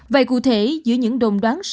vậy cụ thể giữa những đồn đoán suy nghĩ